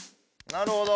なるほど。